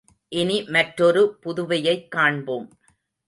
இனி மற்றொரு புதுவையைக் காண்போம்.